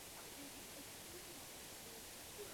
V tomto případě je výpočet podstatně složitější.